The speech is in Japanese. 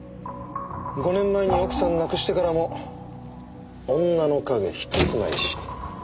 ５年前に奥さんを亡くしてからも女の影ひとつないし。